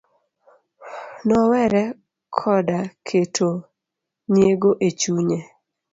Nowere koda keto nyiego e chunye